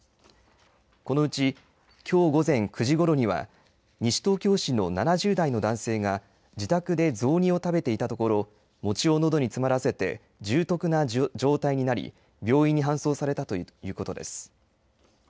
このうち、きょう午前９時ごろには、西東京市の７０代の男性が自宅で雑煮を食べていたところ、餅をのどに詰まらせて重篤な状態になり、病院に搬送されたということです。